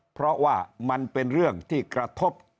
เพราะว่ามันเป็นเรื่องที่กระทบ